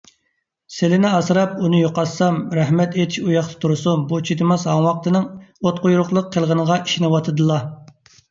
سىلىنى ئاسراپ، ئۇنى يوقاتسام، رەھمەت ئېيتىش ئۇياقتا تۇرسۇن، بۇ چىدىماس ھاڭۋاقتىنىڭ ئوتقۇيرۇقلۇق قىلغىنىغا ئىشىنىۋاتىدىلا.